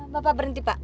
bapak berhenti pak